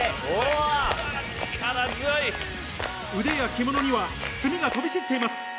腕や着物には墨が飛び散っています。